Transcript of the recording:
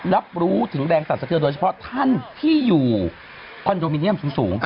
รับรู้ถึงแรงสรรสะเทือนโดยเฉพาะท่านที่อยู่คอนโดมิเนียมสูง